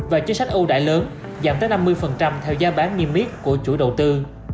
và chính sách ưu đại lớn giảm tới năm mươi theo giá bán niêm yết của chủ đầu tư